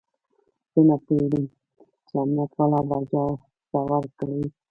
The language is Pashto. زه نه پوهېدم چې امنيت والا به اجازه ورکړي که يه.